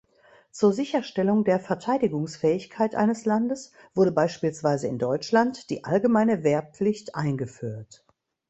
Zur Sicherstellung der Verteidigungsfähigkeit eines Landes wurde beispielsweise in Deutschland die allgemeine Wehrpflicht eingeführt.